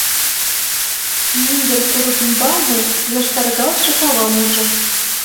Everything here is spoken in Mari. Мӱндыр курык ӱмбалне йошкаргалше кавам ужо.